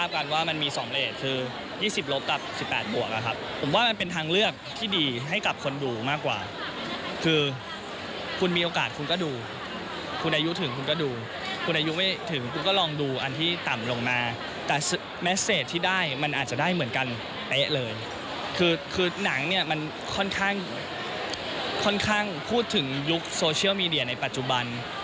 ค่อนข้างพูดถึงยุคโซเชียลมีเดียในปัจจุบัน